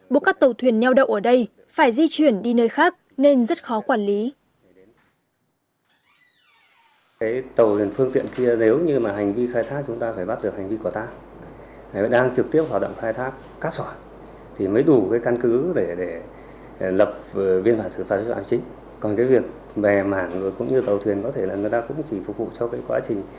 bộ các tàu thuyền nhao đậu ở đây phải di chuyển đi nơi khác nên rất khó quản lý